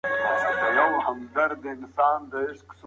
دویم نسل باید حقایق له معتبرو سرچینو واوري.